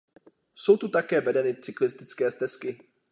Jsou tu také vedeny cyklistické stezky.